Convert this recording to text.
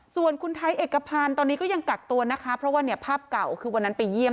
ส่วนคุณไทยเอกพันธ์ตอนนี้ก็ยังกักตัวนะคะเพราะว่าเนี่ยภาพเก่าคือวันนั้นไปเยี่ยม